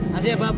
makasih ya bob